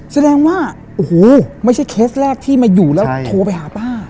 แสดงว่าโอ้โหไม่ใช่เคสแรกที่มาอยู่แล้วโทรไปหาป้า